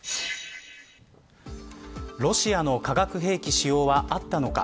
ロシアの化学兵器使用はあったのか。